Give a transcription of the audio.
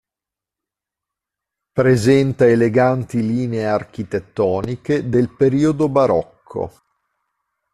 Presenta eleganti linee architettoniche del periodo barocco.